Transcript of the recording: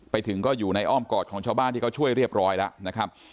ไปถึงก็อยู่ในอ้อมกอดของชาวบ้านที่เขาช่วยเรียบร้อยแล้วนะครับ